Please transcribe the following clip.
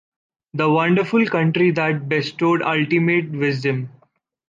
the wonderful country that bestowed ultimate wisdom